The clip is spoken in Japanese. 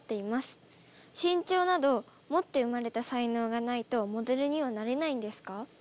身長など持って生まれた才能がないとモデルにはなれないんですか？